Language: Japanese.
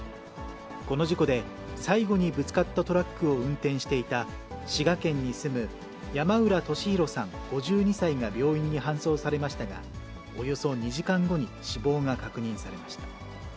この事故で、最後にぶつかったトラックを運転していた滋賀県に住む山浦俊尋さん５２歳が病院に搬送されましたが、およそ２時間後に死亡が確認されました。